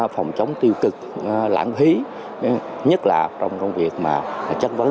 phòng chống tiêu cực lãng phí nhất là trong công việc chất vấn